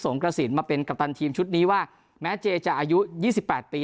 กระสินมาเป็นกัปตันทีมชุดนี้ว่าแม้เจจะอายุ๒๘ปี